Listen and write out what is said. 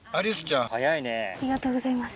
ありがとうございます。